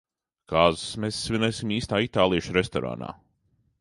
Kāzas mēs svinēsim īstā itāliešu restorānā.